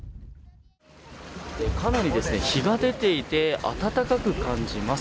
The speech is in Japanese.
かなり日が出ていて暖かく感じます。